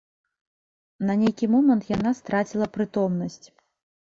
На нейкі момант яна страціла прытомнасць.